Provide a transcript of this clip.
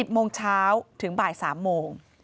๑๐มถึงบ่าย๓โมง